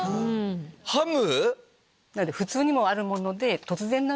ハム⁉